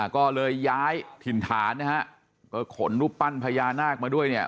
ก็เลยย้ายถิ่นฐานนะฮะก็ขนรูปปั้นพญานาคมาด้วยเนี่ย